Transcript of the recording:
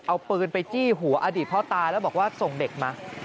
เอาปืนไปจี้หัวอดีตพ่อตาแล้วบอกว่าส่งเด็กมา